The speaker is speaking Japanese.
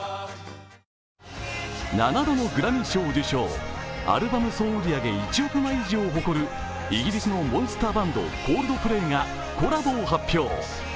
７度のグラミー賞受賞アルバム総売上１億枚以上を誇るイギリスのモンスターバンド、Ｃｏｌｄｐｌａｙがコラボを発表。